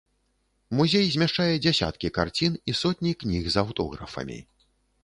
Музей змяшчае дзясяткі карцін, і сотні кніг з аўтографамі.